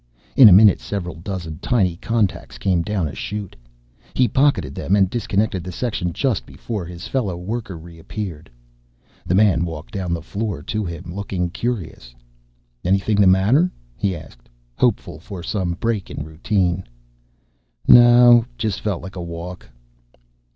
In a minute, several dozen tiny contacts came down a chute. He pocketed them and disconnected the section just before his fellow worker reappeared. The man walked down the floor to him, looking curious. "Anything the matter?" he asked, hopeful for some break in routine. "No, just felt like a walk."